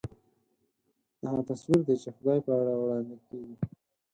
دا هغه تصویر دی چې خدای په اړه وړاندې کېږي.